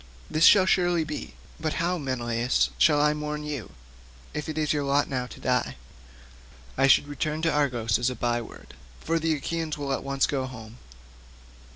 This shall surely be; but how, Menelaus, shall I mourn you, if it be your lot now to die? I should return to Argos as a by word, for the Achaeans will at once go home.